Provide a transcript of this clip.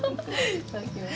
いただきます。